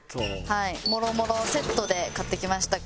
もろもろをセットで買ってきました。